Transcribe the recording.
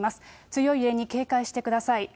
強い揺れに警戒してください。